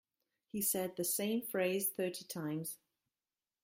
He said the same phrase thirty times.